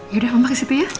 yaudah mama kesitu ya